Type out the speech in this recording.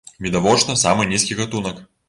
Відавочна, самы нізкі гатунак.